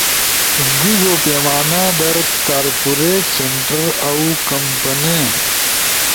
ڙیِگو پیمانہ در کارپوریٹس سنٹر اؤ کمپنئی